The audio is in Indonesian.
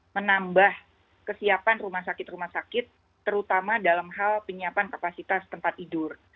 menambah kesiapan rumah sakit rumah sakit terutama dalam hal penyiapan kapasitas tempat tidur